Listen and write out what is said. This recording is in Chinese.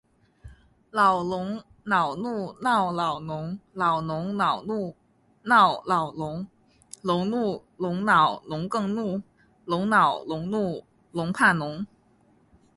老龙恼怒闹老农，老农恼怒闹老龙。农怒龙恼农更怒，龙恼农怒龙怕农。